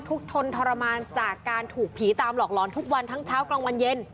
ทนทรมานจากการถูกผีตามหลอกหลอนทุกวันทั้งเช้ากลางวันเย็น